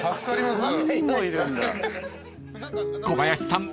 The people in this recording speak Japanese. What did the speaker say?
［小林さん